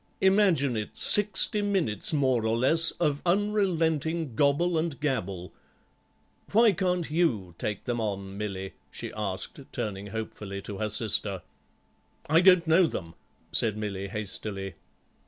Imagine it, sixty minutes, more or less, of unrelenting gobble and gabble. Why can't you take them on, Milly?" she asked, turning hopefully to her sister. "I don't know them," said Milly hastily.